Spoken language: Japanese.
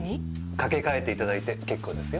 かけ替えていただいて結構ですよ。